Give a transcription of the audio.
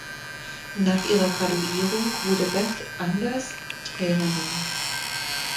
Nach ihrer Graduierung wurde Beth Anders Trainerin.